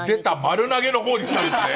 丸投げのほうできたんですね。